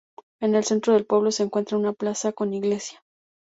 En el centro del pueblo se encuentra una plaza con iglesia.